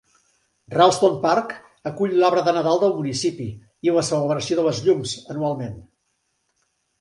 Ralston Park acull l'arbre de Nadal del municipi i la celebració de les llums anualment.